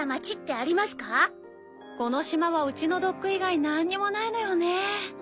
この島はうちのドック以外何にもないのよねぇ。